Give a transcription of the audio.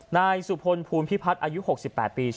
นายสุพลภูมิพิพัฒน์อายุ๖๘ปี